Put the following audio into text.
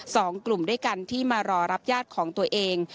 สองกลุ่มด้วยกันที่มารอรับญาติของตัวเอง